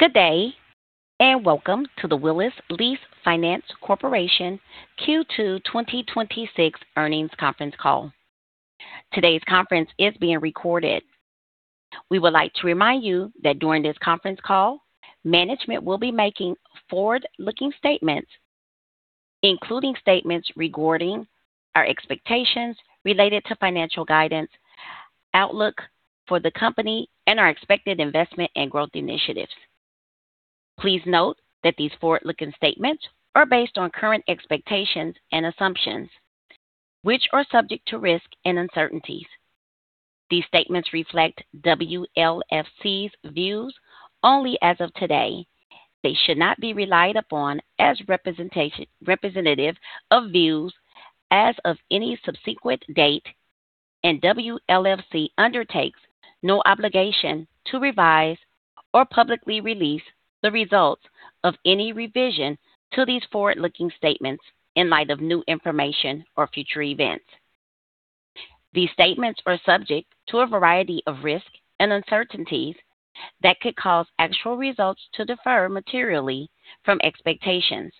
Good day. Welcome to the Willis Lease Finance Corporation Q2 2026 earnings conference call. Today's conference is being recorded. We would like to remind you that during this conference call, management will be making forward-looking statements, including statements regarding our expectations related to financial guidance, outlook for the company, and our expected investment and growth initiatives. Please note that these forward-looking statements are based on current expectations and assumptions, which are subject to risk and uncertainties. These statements reflect WLFC's views only as of today. They should not be relied upon as representative of views as of any subsequent date. WLFC undertakes no obligation to revise or publicly release the results of any revision to these forward-looking statements in light of new information or future events. These statements are subject to a variety of risks and uncertainties that could cause actual results to differ materially from expectations.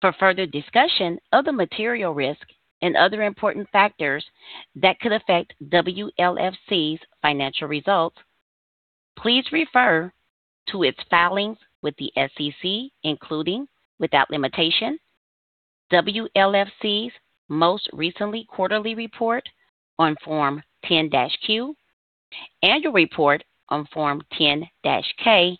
For further discussion of the material risks and other important factors that could affect WLFC's financial results, please refer to its filings with the SEC, including, without limitation, WLFC's most recent quarterly report on Form 10-Q, annual report on Form 10-K,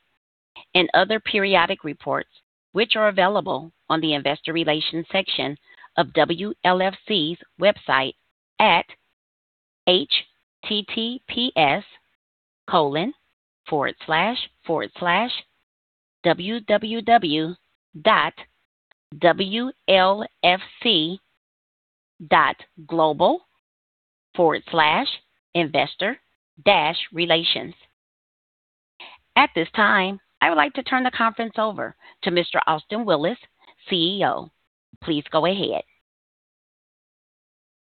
and other periodic reports, which are available on the Investor Relations section of WLFC's website at https://www.wlfc.global/investor-relations. At this time, I would like to turn the conference over to Mr. Austin Willis, CEO. Please go ahead.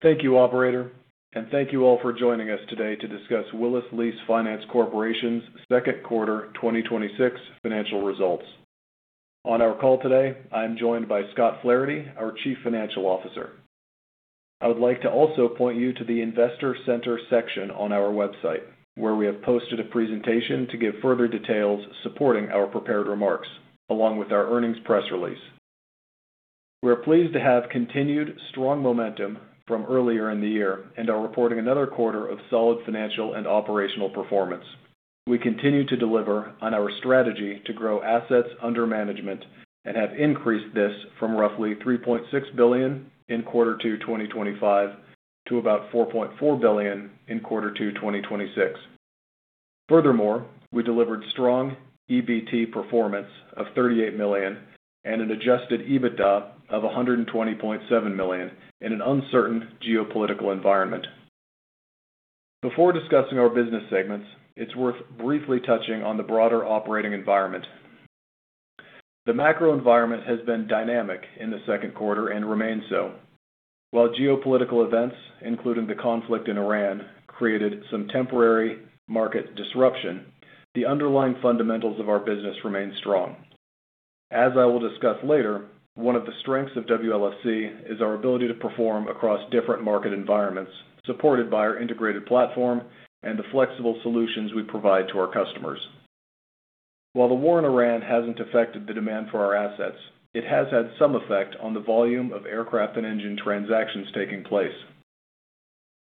Thank you, operator. Thank you all for joining us today to discuss Willis Lease Finance Corporation's second quarter 2026 financial results. On our call today, I'm joined by Scott Flaherty, our Chief Financial Officer. I would like to also point you to the Investor Center section on our website, where we have posted a presentation to give further details supporting our prepared remarks, along with our earnings press release. We are pleased to have continued strong momentum from earlier in the year and are reporting another quarter of solid financial and operational performance. We continue to deliver on our strategy to grow assets under management and have increased this from roughly $3.6 billion in quarter two 2025 to about $4.4 billion in quarter two 2026. Furthermore, we delivered strong EBT performance of $38 million and an adjusted EBITDA of $120.7 million in an uncertain geopolitical environment. Before discussing our business segments, it's worth briefly touching on the broader operating environment. The macro environment has been dynamic in the second quarter and remains so. While geopolitical events, including the conflict in Iran, created some temporary market disruption, the underlying fundamentals of our business remain strong. As I will discuss later, one of the strengths of WLFC is our ability to perform across different market environments, supported by our integrated platform and the flexible solutions we provide to our customers. While the war in Iran hasn't affected the demand for our assets, it has had some effect on the volume of aircraft and engine transactions taking place.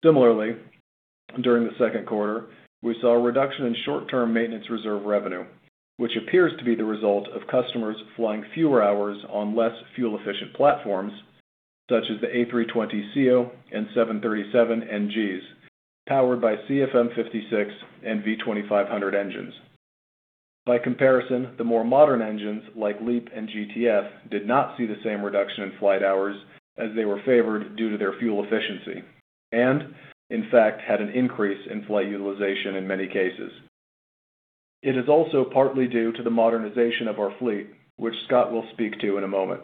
Similarly, during the second quarter, we saw a reduction in short-term maintenance reserve revenue, which appears to be the result of customers flying fewer hours on less fuel-efficient platforms, such as the A320ceo and 737NGs, powered by CFM56 and V2500 engines. By comparison, the more modern engines, like LEAP and GTF, did not see the same reduction in flight hours as they were favored due to their fuel efficiency. In fact, had an increase in flight utilization in many cases. It is also partly due to the modernization of our fleet, which Scott will speak to in a moment.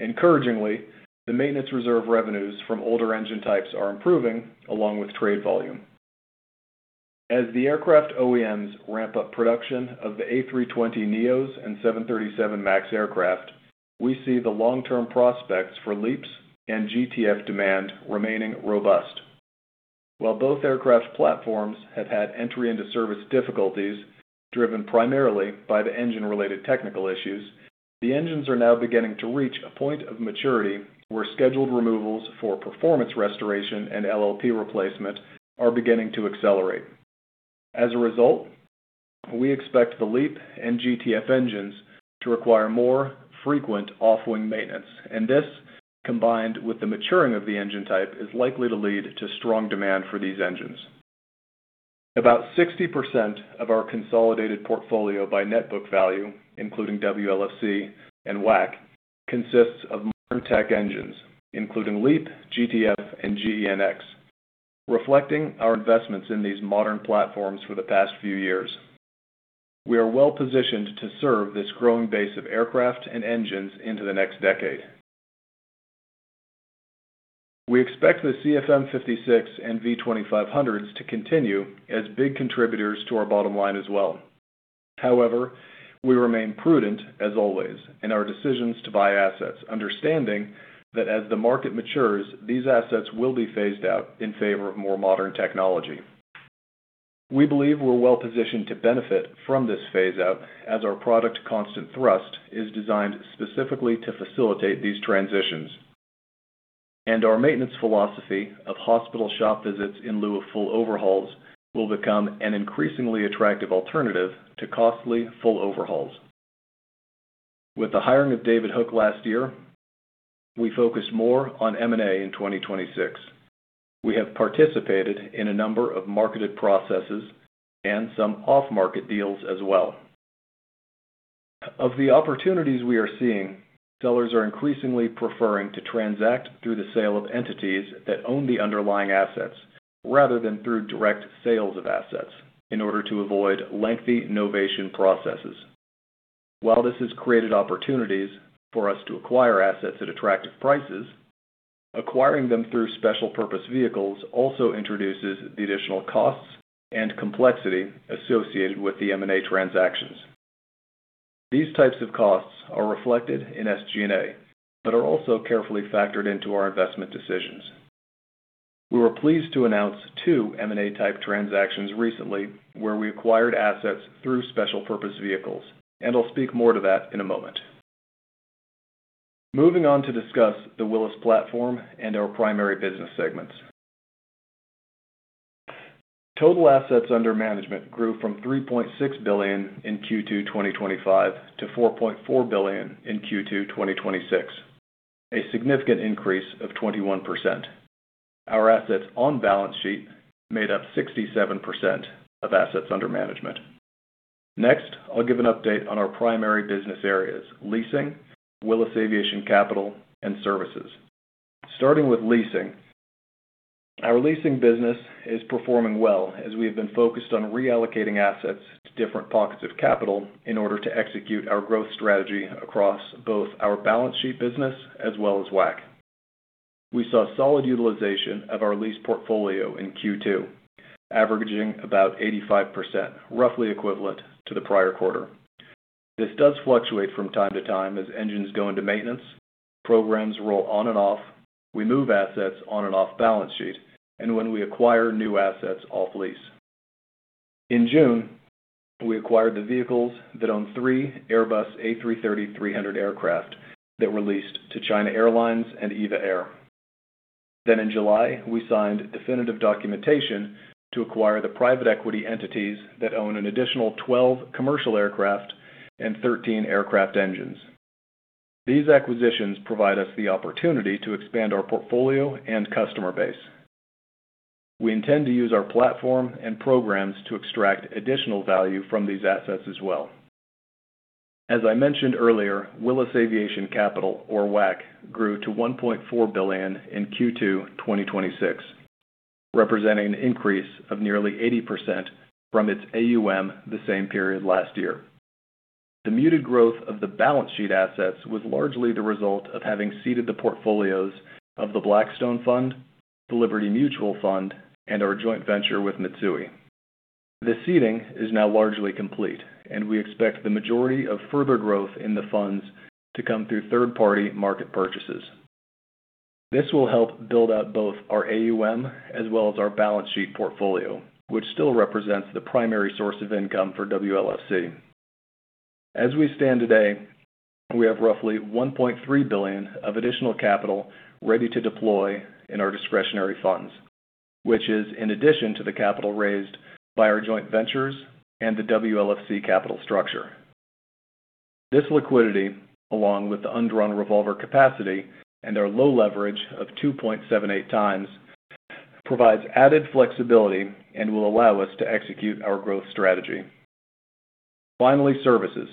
Encouragingly, the maintenance reserve revenues from older engine types are improving along with trade volume. As the aircraft OEMs ramp up production of the A320neos and 737 MAX aircraft, we see the long-term prospects for LEAP and GTF demand remaining robust. While both aircraft platforms have had entry-into-service difficulties driven primarily by the engine-related technical issues, the engines are now beginning to reach a point of maturity where scheduled removals for performance restoration and LLP replacement are beginning to accelerate. As a result, we expect the LEAP and GTF engines to require more frequent off-wing maintenance, and this, combined with the maturing of the engine type, is likely to lead to strong demand for these engines. About 60% of our consolidated portfolio by net book value, including WLFC and WAC, consists of modern tech engines, including LEAP, GTF, and GEnx, reflecting our investments in these modern platforms for the past few years. We are well-positioned to serve this growing base of aircraft and engines into the next decade. We expect the CFM56s and V2500s to continue as big contributors to our bottom line as well. However, we remain prudent as always in our decisions to buy assets, understanding that as the market matures, these assets will be phased out in favor of more modern technology. We believe we're well-positioned to benefit from this phase out as our product ConstantThrust is designed specifically to facilitate these transitions, and our maintenance philosophy of hospital shop visits in lieu of full overhauls will become an increasingly attractive alternative to costly full overhauls. With the hiring of David Hooke last year, we focused more on M&A in 2026. We have participated in a number of marketed processes and some off-market deals as well. Of the opportunities we are seeing, sellers are increasingly preferring to transact through the sale of entities that own the underlying assets, rather than through direct sales of assets in order to avoid lengthy novation processes. While this has created opportunities for us to acquire assets at attractive prices, acquiring them through special-purpose vehicles also introduces the additional costs and complexity associated with the M&A transactions. These types of costs are reflected in SG&A, but are also carefully factored into our investment decisions. We were pleased to announce two M&A-type transactions recently where we acquired assets through special-purpose vehicles, and I'll speak more to that in a moment. Moving on to discuss the Willis platform and our primary business segments. Total assets under management grew from $3.6 billion in Q2 2025 to $4.4 billion in Q2 2026, a significant increase of 21%. Our assets on balance sheet made up 67% of assets under management. Next, I'll give an update on our primary business areas, Leasing, Willis Aviation Capital, and Services. Starting with Leasing. Our leasing business is performing well as we have been focused on reallocating assets to different pockets of capital in order to execute our growth strategy across both our balance sheet business as well as WAC. We saw solid utilization of our lease portfolio in Q2, averaging about 85%, roughly equivalent to the prior quarter. This does fluctuate from time to time as engines go into maintenance, programs roll on and off, we move assets on and off balance sheet, and when we acquire new assets off lease. In June, we acquired the vehicles that own three Airbus A330-300 aircraft that were leased to China Airlines and EVA Air. In July, we signed definitive documentation to acquire the private equity entities that own an additional 12 commercial aircraft and 13 aircraft engines. These acquisitions provide us the opportunity to expand our portfolio and customer base. We intend to use our platform and programs to extract additional value from these assets as well. As I mentioned earlier, Willis Aviation Capital, or WAC, grew to $1.4 billion in Q2 2026, representing an increase of nearly 80% from its AUM the same period last year. The muted growth of the balance sheet assets was largely the result of having ceded the portfolios of the Blackstone Fund, the Liberty Mutual Fund, and our joint venture with Mitsui. The ceding is now largely complete, and we expect the majority of further growth in the funds to come through third-party market purchases. This will help build out both our AUM as well as our balance sheet portfolio, which still represents the primary source of income for WLFC. As we stand today, we have roughly $1.3 billion of additional capital ready to deploy in our discretionary funds, which is in addition to the capital raised by our joint ventures and the WLFC capital structure. This liquidity, along with the undrawn revolver capacity and our low leverage of 2.78x, provides added flexibility and will allow us to execute our growth strategy. Finally, Services.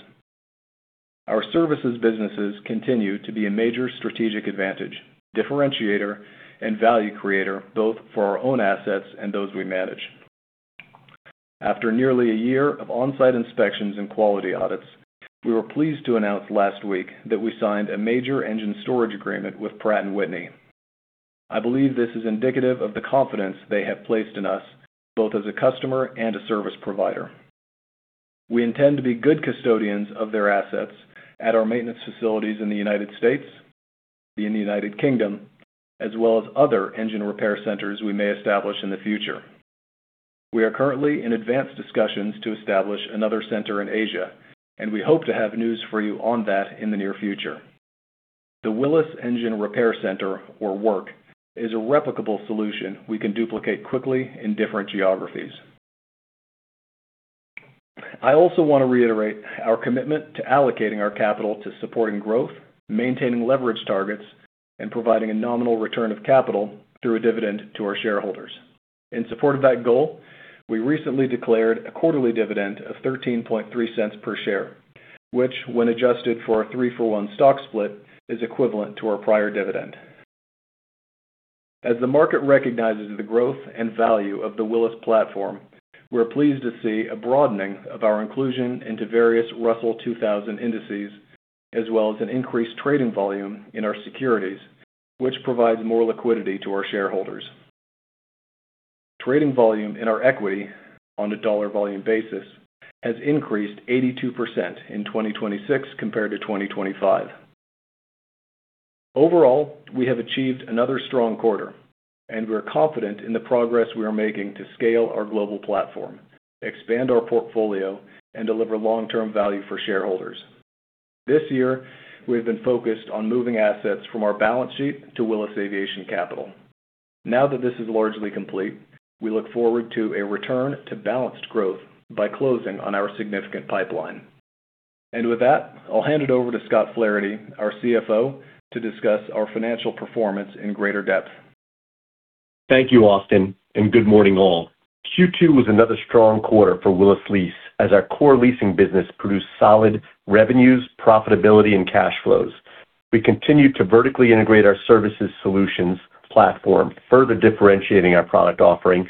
Our services businesses continue to be a major strategic advantage, differentiator, and value creator, both for our own assets and those we manage. After nearly a year of on-site inspections and quality audits, we were pleased to announce last week that we signed a major engine storage agreement with Pratt & Whitney. I believe this is indicative of the confidence they have placed in us, both as a customer and a service provider. We intend to be good custodians of their assets at our maintenance facilities in the U.S., in the U.K., as well as other engine repair centers we may establish in the future. We are currently in advanced discussions to establish another center in Asia, and we hope to have news for you on that in the near future. The Willis Engine Repair Center, or WERC, is a replicable solution we can duplicate quickly in different geographies. I also want to reiterate our commitment to allocating our capital to supporting growth, maintaining leverage targets, and providing a nominal return of capital through a dividend to our shareholders. In support of that goal, we recently declared a quarterly dividend of $0.133 per share, which, when adjusted for our three-for-one stock split, is equivalent to our prior dividend. As the market recognizes the growth and value of the Willis platform, we are pleased to see a broadening of our inclusion into various Russell 2000 indices as well as an increased trading volume in our securities, which provides more liquidity to our shareholders. Trading volume in our equity on a dollar volume basis has increased 82% in 2026 compared to 2025. Overall, we have achieved another strong quarter. We're confident in the progress we are making to scale our global platform, expand our portfolio, and deliver long-term value for shareholders. This year, we have been focused on moving assets from our balance sheet to Willis Aviation Capital. Now that this is largely complete, we look forward to a return to balanced growth by closing on our significant pipeline. With that, I'll hand it over to Scott Flaherty, our CFO, to discuss our financial performance in greater depth. Thank you, Austin, and good morning all. Q2 was another strong quarter for Willis Lease as our core leasing business produced solid revenues, profitability, and cash flows. We continued to vertically integrate our services solutions platform, further differentiating our product offering,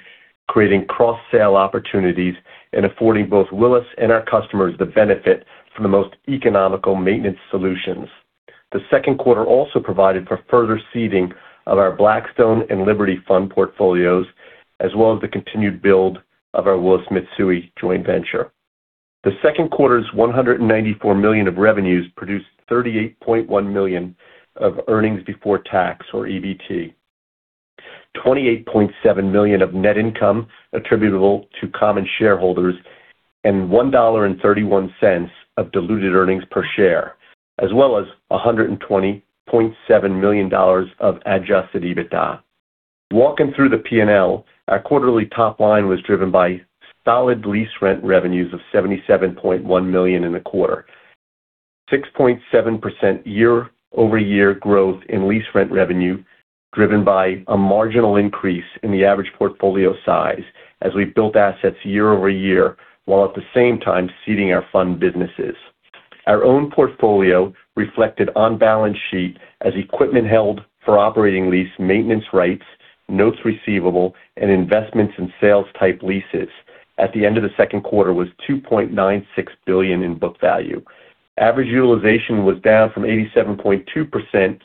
creating cross-sale opportunities, and affording both Willis and our customers the benefit from the most economical maintenance solutions. The second quarter also provided for further seeding of our Blackstone and Liberty Fund portfolios, as well as the continued build of our Willis Mitsui joint venture. The second quarter's $194 million of revenues produced $38.1 million of earnings before tax, or EBT, $28.7 million of net income attributable to common shareholders, and $1.31 of diluted earnings per share, as well as $120.7 million of adjusted EBITDA. Walking through the P&L, our quarterly top line was driven by solid lease rent revenues of $77.1 million in the quarter, 6.7% year-over-year growth in lease rent revenue, driven by a marginal increase in the average portfolio size as we've built assets year-over-year, while at the same time seeding our fund businesses. Our own portfolio reflected on balance sheet as equipment held for operating lease, maintenance rights, notes receivable, and investments in sales type leases at the end of the second quarter was $2.96 billion in book value. Average utilization was down from 87.2%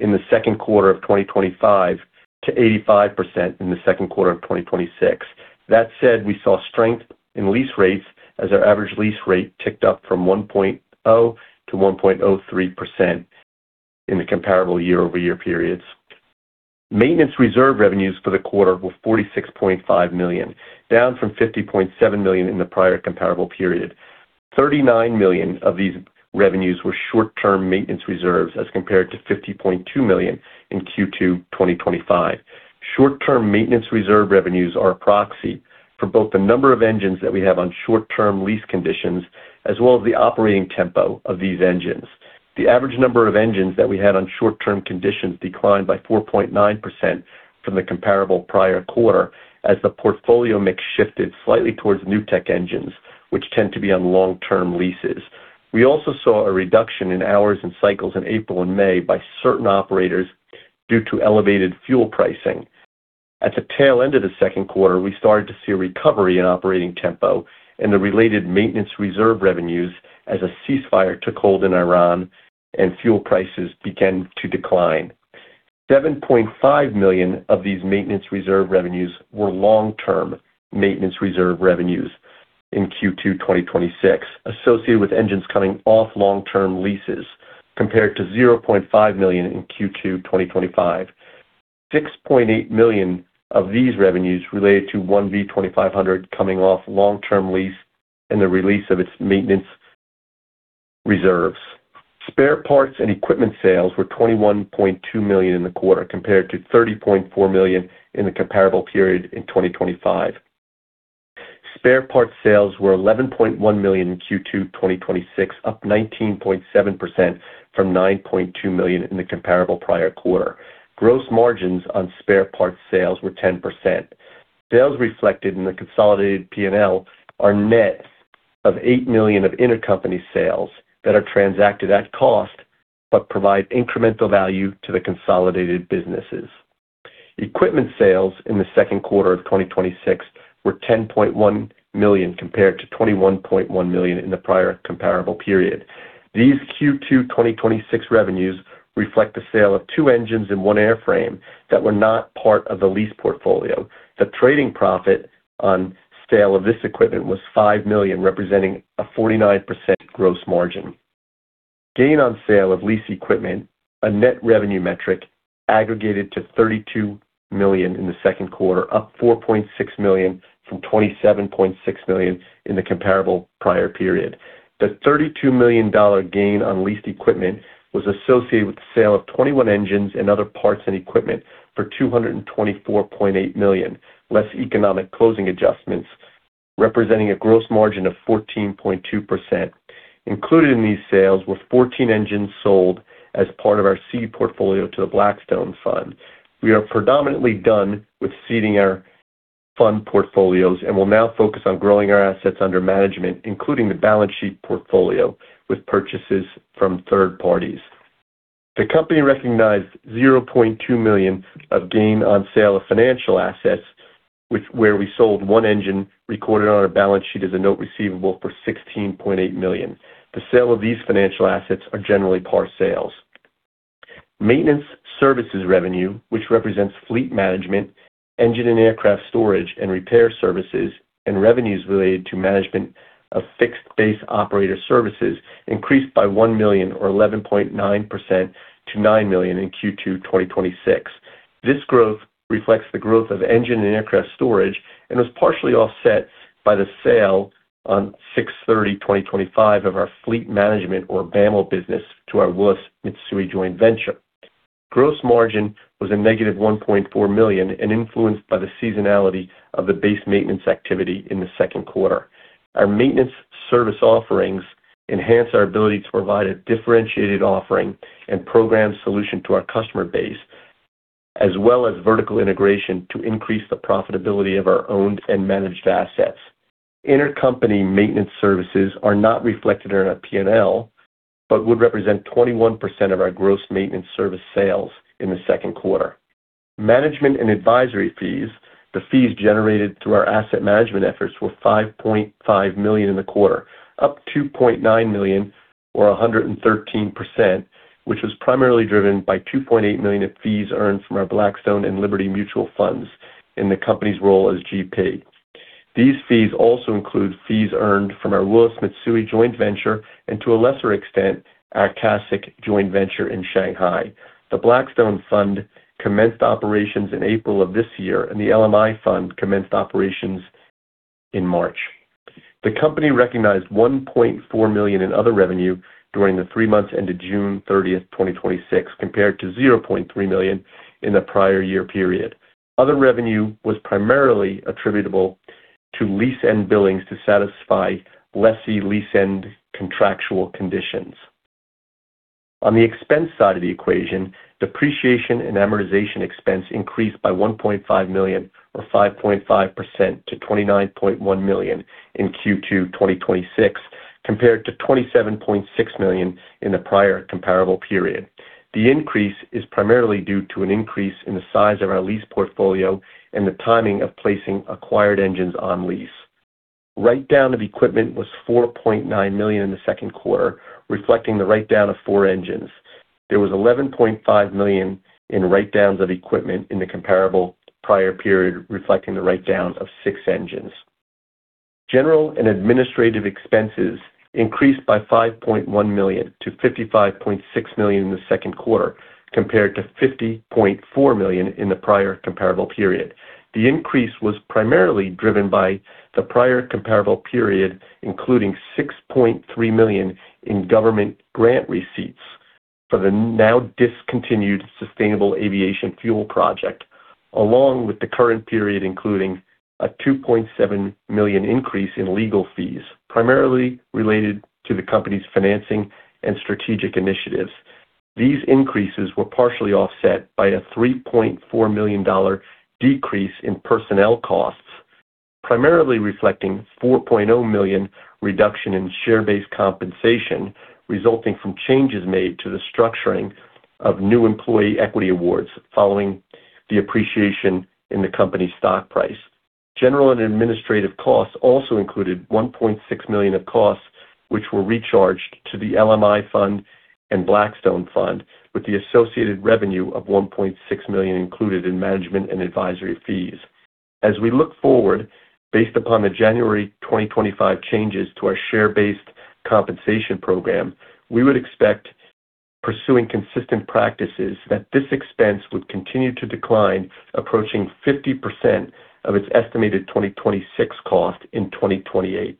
in the second quarter of 2025 to 85% in the second quarter of 2026. That said, we saw strength in lease rates as our average lease rate ticked up from 1.0%-1.03% in the comparable year-over-year periods. Maintenance reserve revenues for the quarter were $46.5 million, down from $50.7 million in the prior comparable period. $39 million of these revenues were short-term maintenance reserves as compared to $50.2 million in Q2 2025. Short-term maintenance reserve revenues are a proxy for both the number of engines that we have on short-term lease conditions, as well as the operating tempo of these engines. The average number of engines that we had on short-term conditions declined by 4.9% from the comparable prior quarter as the portfolio mix shifted slightly towards new tech engines, which tend to be on long-term leases. We also saw a reduction in hours and cycles in April and May by certain operators due to elevated fuel pricing. At the tail end of the second quarter, we started to see a recovery in operating tempo and the related maintenance reserve revenues as a ceasefire took hold in Iran and fuel prices began to decline. $7.5 million of these maintenance reserve revenues were long-term maintenance reserve revenues in Q2 2026, associated with engines coming off long-term leases, compared to $0.5 million in Q2 2025. $6.8 million of these revenues related to one V2500 coming off long-term lease and the release of its maintenance reserves. Spare parts and equipment sales were $21.2 million in the quarter, compared to $30.4 million in the comparable period in 2025. Spare parts sales were $11.1 million in Q2 2026, up 19.7% from $9.2 million in the comparable prior quarter. Gross margins on spare parts sales were 10%. Sales reflected in the consolidated P&L are net of $8 million of intercompany sales that are transacted at cost but provide incremental value to the consolidated businesses. Equipment sales in the second quarter of 2026 were $10.1 million, compared to $21.1 million in the prior comparable period. These Q2 2026 revenues reflect the sale of two engines and one airframe that were not part of the lease portfolio. The trading profit on sale of this equipment was $5 million, representing a 49% gross margin. Gain on sale of lease equipment, a net revenue metric, aggregated to $32 million in the second quarter, up $4.6 million from $27.6 million in the comparable prior period. The $32 million gain on leased equipment was associated with the sale of 21 engines and other parts and equipment for $224.8 million, less economic closing adjustments, representing a gross margin of 14.2%. Included in these sales were 14 engines sold as part of our seed portfolio to the Blackstone fund. We are predominantly done with seeding our fund portfolios and will now focus on growing our assets under management, including the balance sheet portfolio, with purchases from third parties. The company recognized $0.2 million of gain on sale of financial assets, where we sold one engine recorded on our balance sheet as a note receivable for $16.8 million. The sale of these financial assets are generally par sales. Maintenance services revenue, which represents fleet management, engine and aircraft storage and repair services, and revenues related to management of fixed-base operator services, increased by $1 million, or 11.9%, to $9 million in Q2 2026. This growth reflects the growth of engine and aircraft storage and was partially offset by the sale on 6/30/2025 of our fleet management or WAML business to our Willis Mitsui joint venture. Gross margin was a -$1.4 million and influenced by the seasonality of the base maintenance activity in the second quarter. Our maintenance service offerings enhance our ability to provide a differentiated offering and program solution to our customer base, as well as vertical integration to increase the profitability of our owned and managed assets. Intercompany maintenance services are not reflected in our P&L, but would represent 21% of our gross maintenance service sales in the second quarter. Management and advisory fees, the fees generated through our asset management efforts, were $5.5 million in the quarter, up $2.9 million or 113%, which was primarily driven by $2.8 million of fees earned from our Blackstone and Liberty Mutual Funds in the company's role as GP. These fees also include fees earned from our Willis Mitsui joint venture and, to a lesser extent, our CASC joint venture in Shanghai. The Blackstone Fund commenced operations in April of this year, and the LMI Fund commenced operations in March. The company recognized $1.4 million in other revenue during the three months ended June 30th, 2026, compared to $0.3 million in the prior year period. Other revenue was primarily attributable to lease-end billings to satisfy lessee lease-end contractual conditions. On the expense side of the equation, depreciation and amortization expense increased by $1.5 million or 5.5% to $29.1 million in Q2 2026, compared to $27.6 million in the prior comparable period. The increase is primarily due to an increase in the size of our lease portfolio and the timing of placing acquired engines on lease. Write-down of equipment was $4.9 million in the second quarter, reflecting the write-down of four engines. There was $11.5 million in write-downs of equipment in the comparable prior period, reflecting the write-down of six engines. General and administrative expenses increased by $5.1 million to $55.6 million in the second quarter, compared to $50.4 million in the prior comparable period. The increase was primarily driven by the prior comparable period, including $6.3 million in government grant receipts for the now-discontinued Sustainable Aviation Fuel project, along with the current period including a $2.7 million increase in legal fees, primarily related to the company's financing and strategic initiatives. These increases were partially offset by a $3.4 million decrease in personnel costs, primarily reflecting $4.0 million reduction in share-based compensation resulting from changes made to the structuring of new employee equity awards following the appreciation in the company's stock price. General and administrative costs also included $1.6 million of costs, which were recharged to the LMI Fund and Blackstone Fund, with the associated revenue of $1.6 million included in management and advisory fees. As we look forward, based upon the January 2025 changes to our share-based compensation program, we would expect, pursuing consistent practices, that this expense would continue to decline, approaching 50% of its estimated 2026 cost in 2028.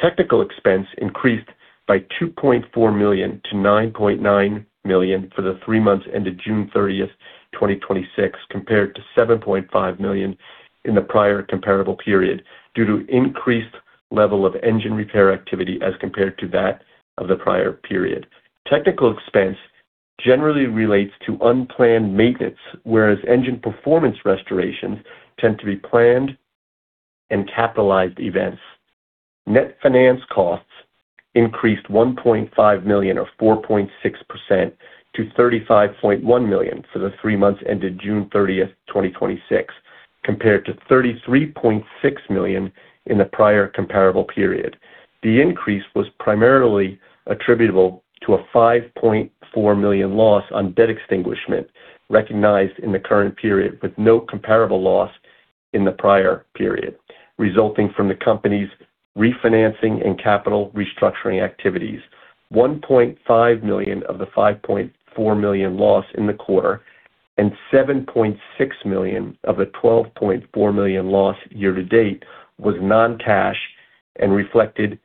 Technical expense increased by $2.4 million to $9.9 million for the three months ended June 30th, 2026, compared to $7.5 million in the prior comparable period due to increased level of engine repair activity as compared to that of the prior period. Technical expense generally relates to unplanned maintenance, whereas engine performance restorations tend to be planned and capitalized events. Net finance costs increased $1.5 million or 4.6% to $35.1 million for the three months ended June 30th, 2026, compared to $33.6 million in the prior comparable period. The increase was primarily attributable to a $5.4 million loss on debt extinguishment recognized in the current period, with no comparable loss in the prior period, resulting from the company's refinancing and capital restructuring activities. $1.5 million of the $5.4 million loss in the quarter and $7.6 million of the $12.4 million loss year-to-date was non-cash and reflected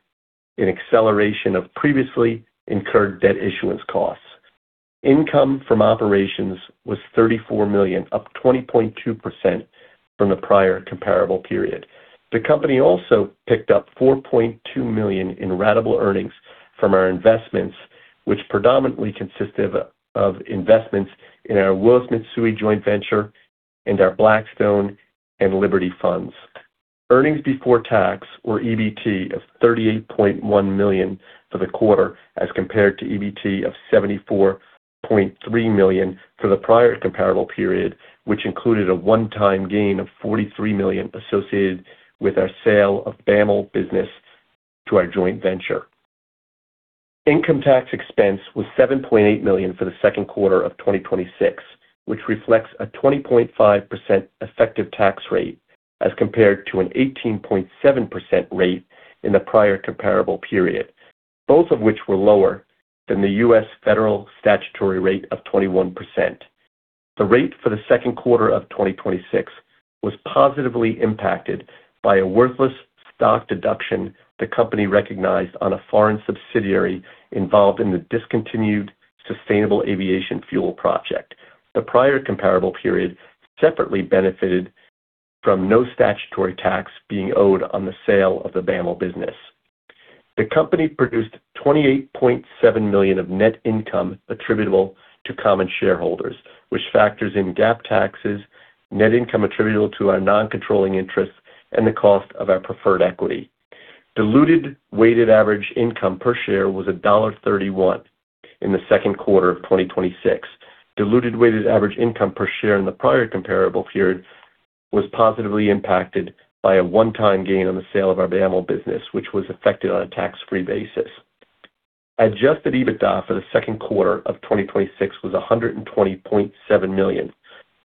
an acceleration of previously incurred debt issuance costs. Income from operations was $34 million, up 20.2% from the prior comparable period. The company also picked up $4.2 million in ratable earnings from our investments, which predominantly consist of investments in our Willis Mitsui joint venture and our Blackstone and Liberty funds. Earnings before tax or EBT of $38.1 million for the quarter as compared to EBT of $74.3 million for the prior comparable period, which included a one-time gain of $43 million associated with our sale of WAML business to our joint venture. Income tax expense was $7.8 million for the second quarter of 2026, which reflects a 20.5% effective tax rate as compared to an 18.7% rate in the prior comparable period, both of which were lower than the U.S. federal statutory rate of 21%. The rate for the second quarter of 2026 was positively impacted by a worthless stock deduction the company recognized on a foreign subsidiary involved in the discontinued Sustainable Aviation Fuel project. The prior comparable period separately benefited from no statutory tax being owed on the sale of the WAML business. The company produced $28.7 million of net income attributable to common shareholders, which factors in GAAP taxes, net income attributable to our non-controlling interests, and the cost of our preferred equity. Diluted weighted average income per share was $1.31 in the second quarter of 2026. Diluted weighted average income per share in the prior comparable period was positively impacted by a one-time gain on the sale of our WAML business, which was affected on a tax-free basis. Adjusted EBITDA for the second quarter of 2026 was $120.7 million,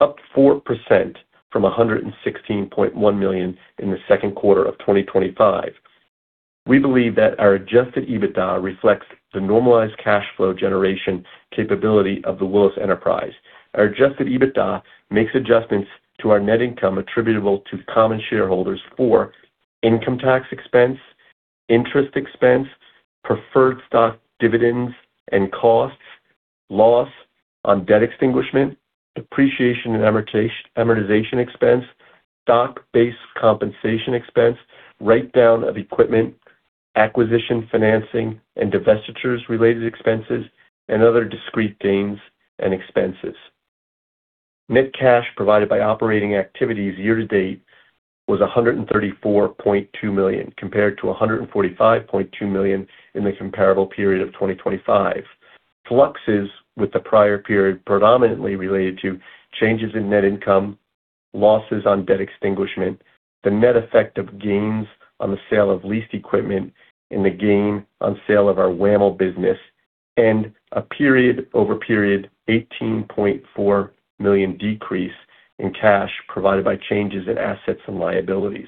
up 4% from $116.1 million in the second quarter of 2025. We believe that our adjusted EBITDA reflects the normalized cash flow generation capability of the Willis enterprise. Our adjusted EBITDA makes adjustments to our net income attributable to common shareholders for income tax expense, interest expense, preferred stock dividends and costs, loss on debt extinguishment, depreciation and amortization expense, stock-based compensation expense, write-down of equipment, acquisition financing, and divestitures related expenses, and other discrete gains and expenses. Net cash provided by operating activities year-to-date was $134.2 million, compared to $145.2 million in the comparable period of 2025. Fluxes with the prior period predominantly related to changes in net income, losses on debt extinguishment, the net effect of gains on the sale of leased equipment, and the gain on sale of our WAML business, and a period-over-period $18.4 million decrease in cash provided by changes in assets and liabilities.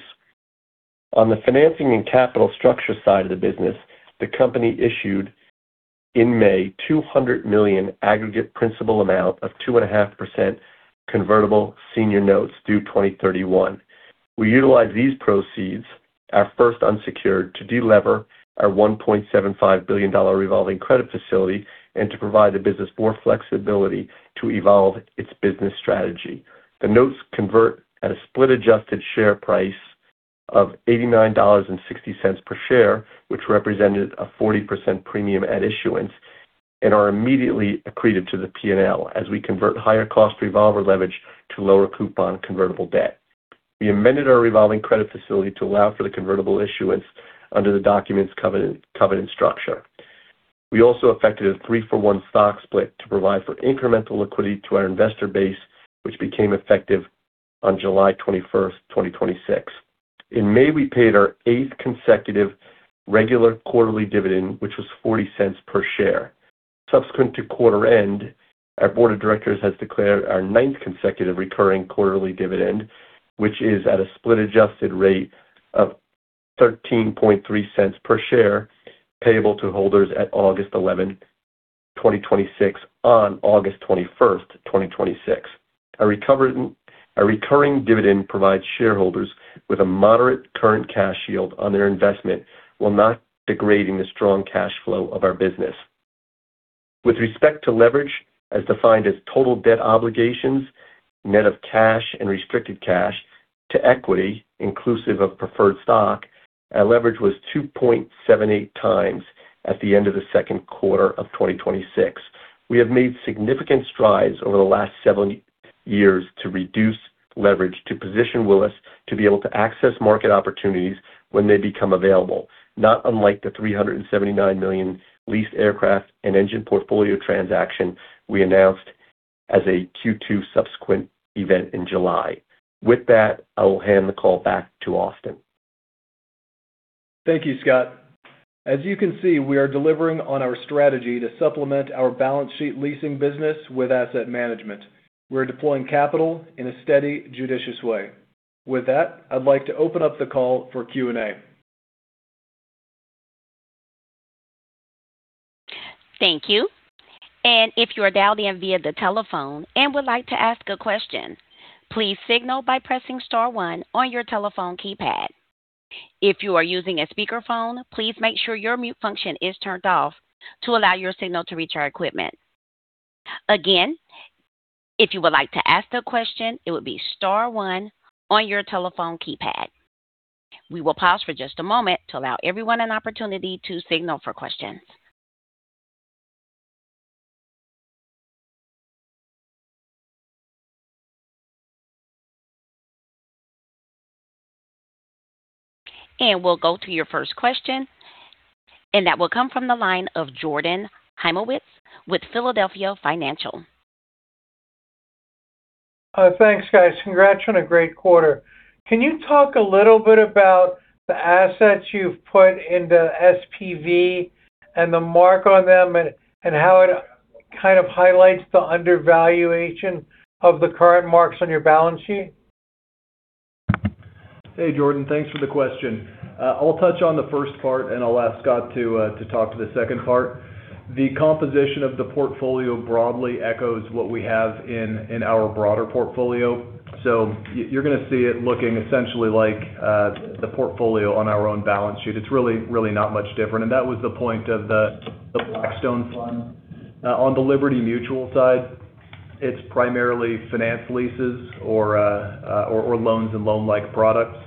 On the financing and capital structure side of the business, the company issued in May, $200 million aggregate principal amount of 2.5% convertible senior notes due 2031. We utilized these proceeds, our first unsecured, to delever our $1.75 billion revolving credit facility and to provide the business more flexibility to evolve its business strategy. The notes convert at a split adjusted share price of $89.60 per share, which represented a 40% premium at issuance, and are immediately accreted to the P&L as we convert higher cost revolver leverage to lower coupon convertible debt. We amended our revolving credit facility to allow for the convertible issuance under the document's covenant structure. We also affected a three-for-one stock split to provide for incremental liquidity to our investor base, which became effective on July 21st, 2026. In May, we paid our eighth consecutive regular quarterly dividend, which was $0.40 per share. Subsequent to quarter end, our board of directors has declared our ninth consecutive recurring quarterly dividend, which is at a split adjusted rate of $0.133 per share, payable to holders at August 11th, 2026 on August 21st, 2026. A recurring dividend provides shareholders with a moderate current cash yield on their investment while not degrading the strong cash flow of our business. With respect to leverage, as defined as total debt obligations, net of cash and restricted cash, to equity, inclusive of preferred stock, our leverage was 2.78x at the end of the second quarter of 2026. We have made significant strides over the last seven years to reduce leverage to position Willis to be able to access market opportunities when they become available, not unlike the $379 million leased aircraft and engine portfolio transaction we announced as a Q2 subsequent event in July. With that, I will hand the call back to Austin. Thank you, Scott. As you can see, we are delivering on our strategy to supplement our balance sheet leasing business with asset management. We're deploying capital in a steady, judicious way. With that, I'd like to open up the call for Q&A. Thank you. If you are dialed in via the telephone and would like to ask a question, please signal by pressing star one on your telephone keypad. If you are using a speakerphone, please make sure your mute function is turned off to allow your signal to reach our equipment. Again, if you would like to ask a question, it would be star one on your telephone keypad. We will pause for just a moment to allow everyone an opportunity to signal for questions. We'll go to your first question, and that will come from the line of Jordan Hymowitz with Philadelphia Financial. Thanks, guys. Congrats on a great quarter. Can you talk a little bit about the assets you've put into SPV and the mark on them and how it kind of highlights the undervaluation of the current marks on your balance sheet? Hey, Jordan. Thanks for the question. I'll touch on the first part, and I'll ask Scott to talk to the second part. The composition of the portfolio broadly echoes what we have in our broader portfolio. You're going to see it looking essentially like the portfolio on our own balance sheet. It's really not much different, and that was the point of the Blackstone fund. On the Liberty Mutual side, it's primarily finance leases or loans and loan-like products.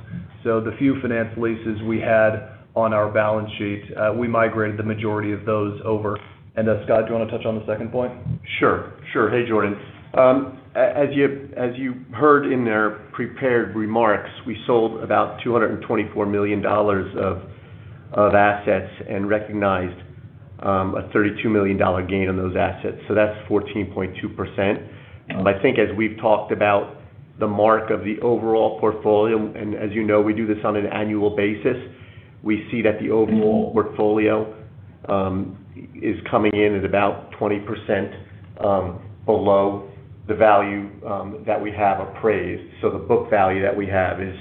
The few finance leases we had on our balance sheet, we migrated the majority of those over. Scott, do you want to touch on the second point? Sure. Hey, Jordan. As you heard in their prepared remarks, we sold about $224 million of assets and recognized a $32 million gain on those assets, so that's 14.2%. I think as we've talked about the mark of the overall portfolio, and as you know, we do this on an annual basis. We see that the overall portfolio is coming in at about 20% below the value that we have appraised. The book value that we have is,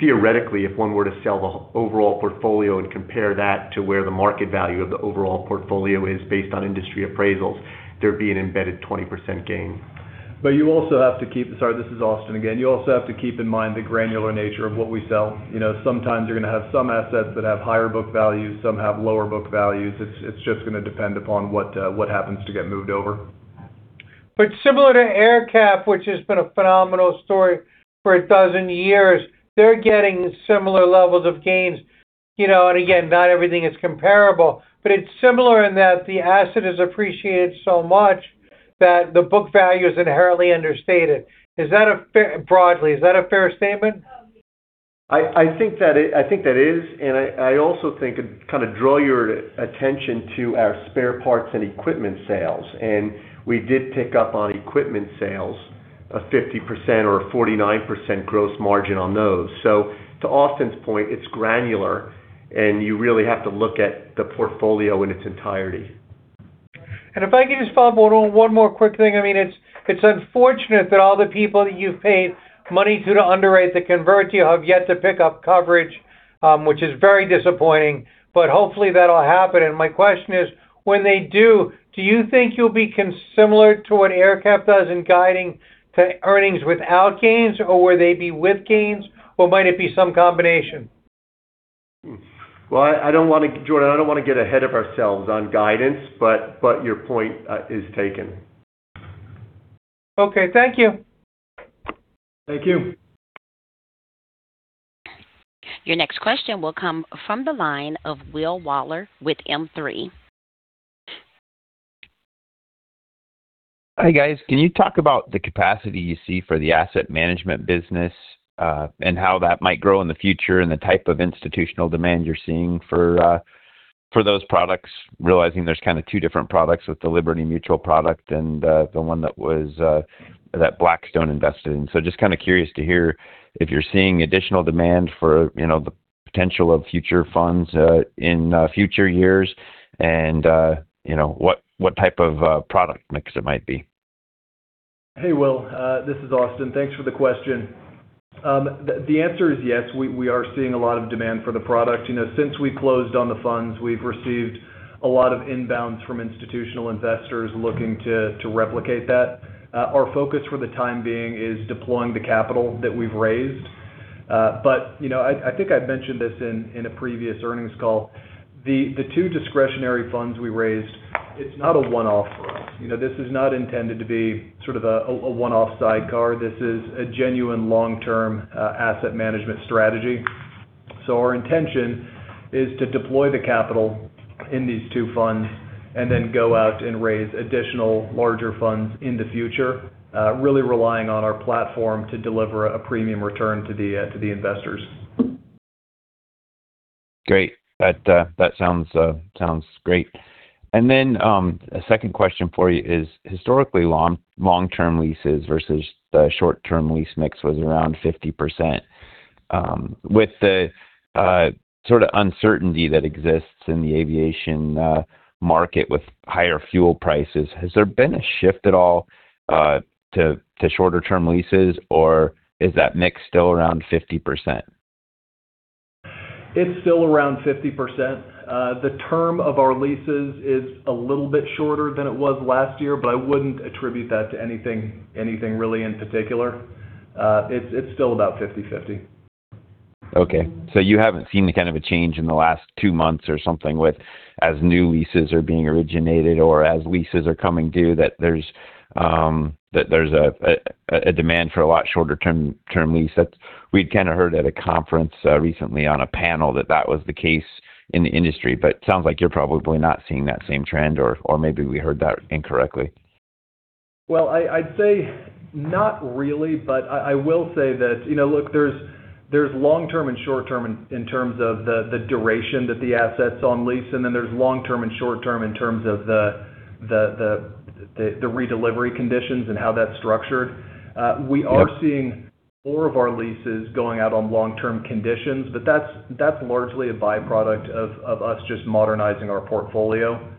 theoretically, if one were to sell the overall portfolio and compare that to where the market value of the overall portfolio is based on industry appraisals, there'd be an embedded 20% gain. You also have to keep, sorry, this is Austin again. You also have to keep in mind the granular nature of what we sell. Sometimes you're going to have some assets that have higher book values, some have lower book values. It's just going to depend upon what happens to get moved over. Similar to AerCap, which has been a phenomenal story for 12 years, they're getting similar levels of gains. Again, not everything is comparable, but it's similar in that the asset is appreciated so much that the book value is inherently understated. Broadly, is that a fair statement? I think that is. I also think, kind of draw your attention to our spare parts and equipment sales. We did pick up on equipment sales, a 50% or 49% gross margin on those. To Austin's point, it's granular, and you really have to look at the portfolio in its entirety. If I can just follow up on one more quick thing. It's unfortunate that all the people that you've paid money to underwrite the convert you have yet to pick up coverage, which is very disappointing, but hopefully that'll happen. My question is, when they do you think you'll be similar to what AerCap does in guiding to earnings without gains, or will they be with gains, or might it be some combination? Well, Jordan, I don't want to get ahead of ourselves on guidance. Your point is taken. Okay. Thank you. Thank you. Your next question will come from the line of Will Waller with M3F. Hi, guys. Can you talk about the capacity you see for the asset management business, and how that might grow in the future and the type of institutional demand you're seeing for those products, realizing there's kind of two different products with the Liberty Mutual product and the one that Blackstone invested in? Just kind of curious to hear if you're seeing additional demand for the potential of future funds in future years and what type of product mix it might be. Hey, Will. This is Austin. Thanks for the question. The answer is yes, we are seeing a lot of demand for the product. Since we closed on the funds, we've received a lot of inbounds from institutional investors looking to replicate that. Our focus for the time being is deploying the capital that we've raised. I think I've mentioned this in a previous earnings call. The two discretionary funds we raised, it's not a one-off for us. This is not intended to be sort of a one-off sidecar. This is a genuine long-term asset management strategy. Our intention is to deploy the capital in these two funds and then go out and raise additional larger funds in the future, really relying on our platform to deliver a premium return to the investors. That sounds great. Then, a second question for you is, historically, long-term leases versus the short-term lease mix was around 50%. With the sort of uncertainty that exists in the aviation market with higher fuel prices, has there been a shift at all to shorter term leases, or is that mix still around 50%? It's still around 50%. The term of our leases is a little bit shorter than it was last year, I wouldn't attribute that to anything really in particular. It's still about 50/50. Okay. You haven't seen the kind of a change in the last two months or something with, as new leases are being originated or as leases are coming due, that there's a demand for a lot shorter term lease. We'd kind of heard at a conference recently on a panel that that was the case in the industry, it sounds like you're probably not seeing that same trend, or maybe we heard that incorrectly. Well, I'd say not really, but I will say that, look, there's long-term and short-term in terms of the duration that the asset's on lease, and then there's long-term and short-term in terms of the redelivery conditions and how that's structured. Yep. We are seeing more of our leases going out on long-term conditions, but that's largely a byproduct of us just modernizing our portfolio.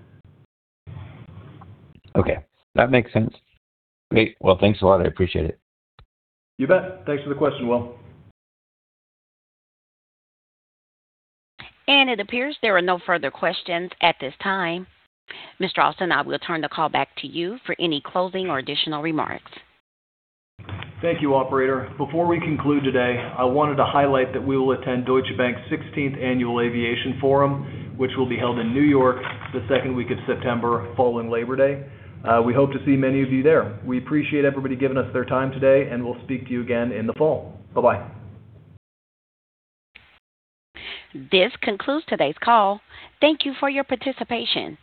Okay. That makes sense. Great. Well, thanks a lot. I appreciate it. You bet. Thanks for the question, Will. It appears there are no further questions at this time. Mr. Austin, I will turn the call back to you for any closing or additional remarks. Thank you, operator. Before we conclude today, I wanted to highlight that we will attend Deutsche Bank's 16th Annual Aviation Forum, which will be held in New York the second week of September, following Labor Day. We hope to see many of you there. We appreciate everybody giving us their time today, and we'll speak to you again in the fall. Bye-bye. This concludes today's call. Thank you for your participation. You may now disconnect.